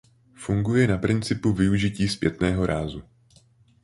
Funguje na principu využití zpětného rázu.